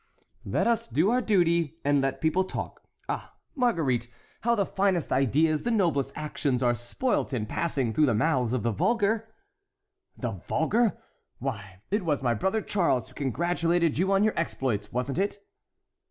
"Let us do our duty and let people talk. Ah, Marguerite! how the finest ideas, the noblest actions, are spoilt in passing through the mouths of the vulgar!" "The vulgar!—why, it was my brother Charles who congratulated you on your exploits, wasn't it?"